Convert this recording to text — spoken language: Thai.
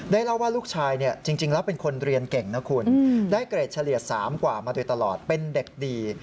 เล่าว่าลูกชายจริงแล้วเป็นคนเรียนเก่งนะคุณได้เกรดเฉลี่ย๓กว่ามาโดยตลอดเป็นเด็กดี